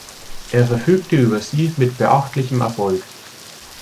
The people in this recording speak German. Er verfügte über sie mit beachtlichem Erfolg.